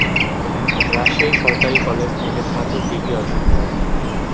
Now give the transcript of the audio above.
রাজশাহী সরকারি কলেজ থেকে স্নাতক ডিগ্রি অর্জন করেন।